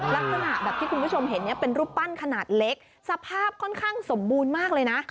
ลักษณะแบบที่คุณผู้ชมเห็นเนี่ยเป็นรูปปั้นขนาดเล็กสภาพค่อนข้างสมบูรณ์มากเลยนะ